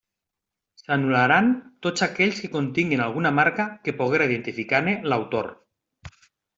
S'anul·laran tots aquells que continguen alguna marca que poguera identificar-ne l'autor.